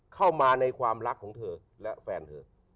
เข้ามาในความรักของเธอและแฟนเธอ